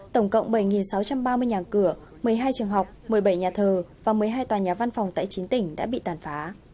tổng cộng bảy sáu trăm ba mươi nhà cửa một mươi hai trường học một mươi bảy nhà thờ và một mươi hai tòa nhà văn phòng tại chín tỉnh đã bị tàn phá